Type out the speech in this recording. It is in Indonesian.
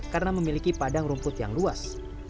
karena memiliki padang rumput yang luas